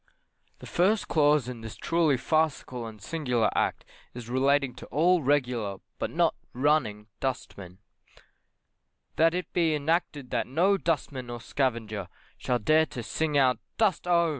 The First Clause in this truly farcical and singular Act is relating to all 'regular' but not 'running' dustmen: That it be enacted that no dustman or scavenger shall dare to sing out dust oh!